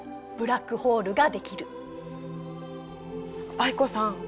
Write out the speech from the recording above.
藍子さん